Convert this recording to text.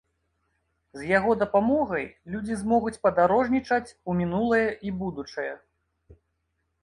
З яго дапамогай людзі змогуць падарожнічаць у мінулае і будучае.